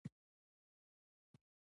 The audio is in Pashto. • صداقت د هر بریا اساس دی.